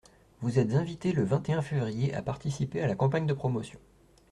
Vous êtes invités le vingt et un février à participer à la campagne de promotion.